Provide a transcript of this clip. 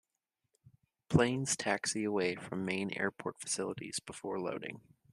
Planes taxi away from main airport facilities before loading.